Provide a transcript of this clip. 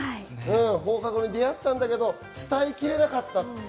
放課後に出会ったけど伝えきれなかった。